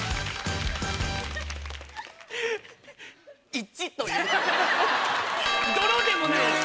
１という泥でもないです。